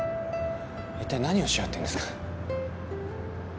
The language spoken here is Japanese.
一体何をしようっていうんですか？